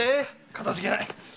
かたじけない。